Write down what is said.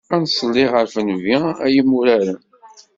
Ad nṣelli ɣef Nnbi, ay imuraren.